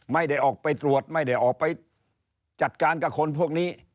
ไม่ได้ออกไปตรวจไม่ได้ออกไปจัดการกับคนพวกนี้